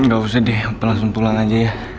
gak usah deh apa langsung pulang aja ya